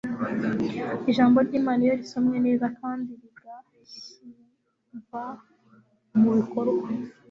Ijambo ry'Imana iyo risomwe neza kandi rigashyimva mu bikorwa,